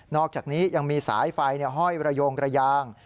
อกจากนี้ยังมีสายไฟห้อยระโยงระยาง